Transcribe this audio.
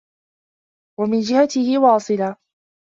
وَمِنْ جِهَتِهِ وَاصِلَةٌ